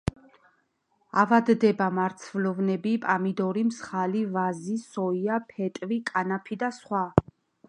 ავადდება მარცვლოვნები, პამიდორი, მსხალი, ვაზი, სოია, ფეტვი, კანაფი და სხვა.